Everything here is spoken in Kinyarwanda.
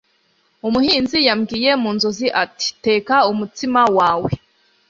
Umuhinzi yambwiye mu nzozi ati Teka umutsima wawe